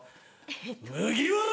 「麦わら！」。